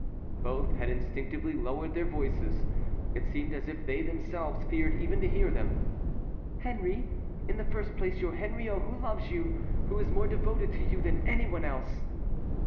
Both had instinctively lowered their voices; it seemed as if they themselves feared even to hear them. "Henry, in the first place; your Henriot, who loves you, who is more devoted to you than any one else."